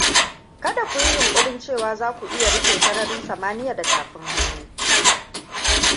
Kada ku yi yunƙurin cewa za ku iya rufe sararin samaniya da tafin hannu.